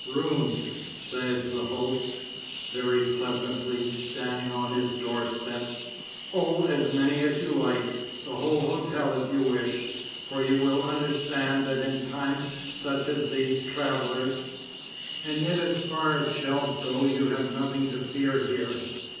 "Rooms," says the host, very pleasantly, standing on his doorstep, "oh, as many as you like, the whole hotel if you wish, for you will understand that in times such as these travellers And yet as far as shells go you have nothing to fear here."